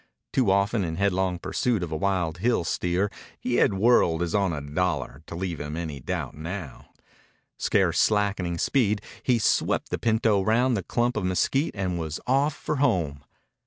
Too often, in headlong pursuit of a wild hill steer, he had whirled as on a dollar, to leave him any doubt now. Scarce slackening speed, he swept the pinto round the clump of mesquite and was off for home.